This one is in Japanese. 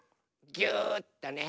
ぎゅっとね。